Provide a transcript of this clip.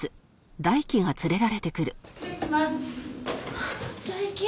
あっ大樹！